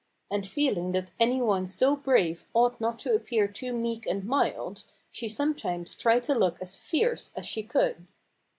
And feeling that any one so brave ought not to appear too meek and mild, she sometimes tried to look as fierce as she could.